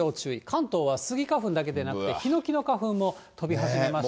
関東はスギ花粉だけでなくて、ヒノキの花粉も飛び始めました。